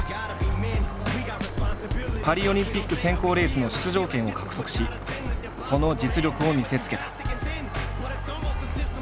パリオリンピック選考レースの出場権を獲得しその実力を見せつけた。